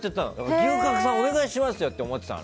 牛角さんお願いしますよって思ってたの。